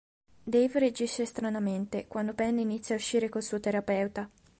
Dave reagisce stranamente quando Penny inizia a uscire col suo terapeuta.